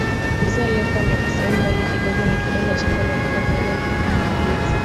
mzee aliyekuwa amekaa sehemu mbali kidogo na kibanda changu aliondoka Kwa hiyo mpaka namaliza